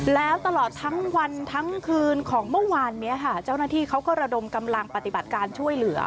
แล้วตลอดทั้งวันทั้งคืนของเมื่อวานนี้ค่ะเจ้าหน้าที่เขาก็ระดมกำลังปฏิบัติการช่วยเหลือ